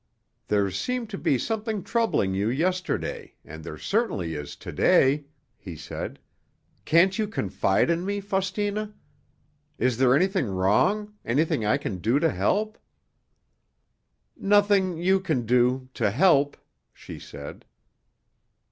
"There seemed to be something troubling you yesterday, and there certainly is to day," he said. "Can't you confide in me, Faustina? Is there anything wrong—anything I can do to help?" "Nothing you can do—to help," she said.